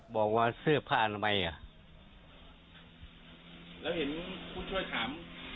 บอกว่าเสื้อผ้าทำไมอ่ะแล้วเห็นคุณช่วยถาม